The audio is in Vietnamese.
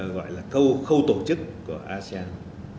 gọi là khâu tổ chức của asean